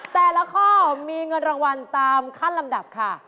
แต่ละข้อมีเงินรางวัลตามขั้นลำดับค่ะ